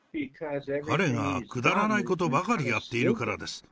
彼がくだらないことばかりやっているからです。